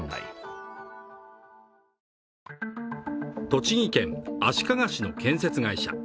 栃木県足利市の建設会社。